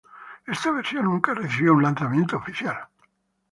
Esta versión nunca recibió un lanzamiento oficial.